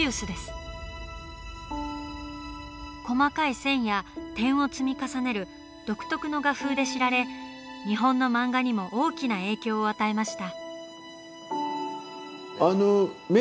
細かい線や点を積み重ねる独特の画風で知られ日本の漫画にも大きな影響を与えました。